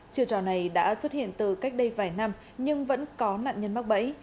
chiều trò này đã xuất hiện từ cách đây vài năm nhưng vẫn có nạn nhân mắc bẫy